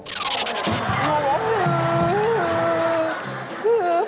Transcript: โอ้โห